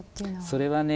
それはね